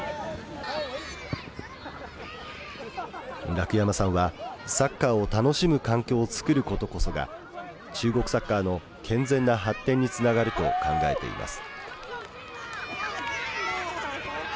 楽山さんはサッカーを楽しむ環境をつくることこそが中国サッカーの健全な発展につながると考えています。